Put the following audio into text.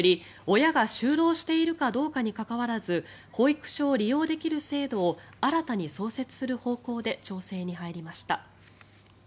親が就労しているかどうかに関わらず保育所を利用できる制度を新たに創設する方向で調整に入りました。